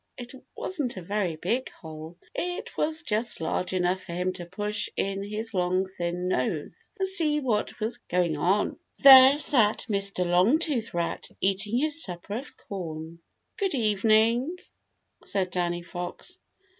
It wasn't a very big hole. It was just large enough for him to push in his long thin nose and see what was going on. There sat Mr. Longtooth Rat eating his supper of corn. "Good evening," said Danny Fox.